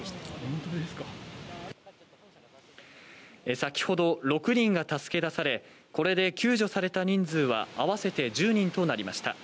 先ほど、６人が助け出されこれで救助された人数は合わせて１０人となりました。